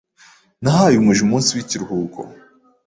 Nahaye umuja umunsi w'ikiruhuko.